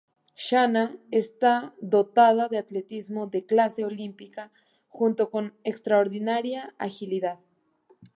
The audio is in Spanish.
Shanna está dotada de atletismo de clase olímpica junto con extraordinaria agilidad.